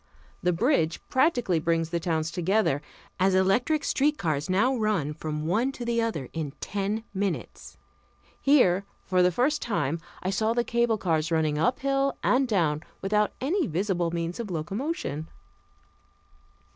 The bridge practically brings the towns together, as electric street cars now run from one to the other in ten minutes. Here, for the first time, I saw the cable cars running up hill and down without any visible means of locomotion.